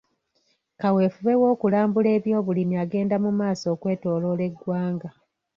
Kaweefube w'okulambula eby'obulimi agenda mu maaso okwetooloola eggwanga.